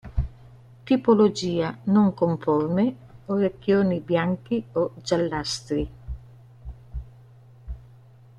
Tipologia non conforme, orecchioni bianchi o giallastri.